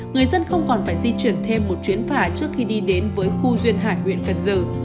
người dân không còn phải di chuyển thêm một chuyến phà trước khi đi đến với khu duyên hải huyện cần giờ